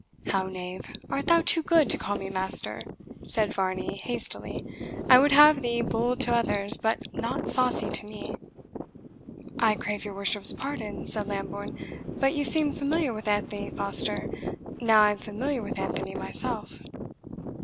"How, knave, art thou too good to call me master?" said Varney hastily; "I would have thee bold to others, but not saucy to me." "I crave your worship's pardon," said Lambourne, "but you seemed familiar with Anthony Foster; now I am familiar with Anthony myself."